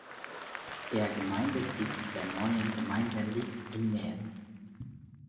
Der Gemeindesitz der neuen Gemeinde liegt in Mel.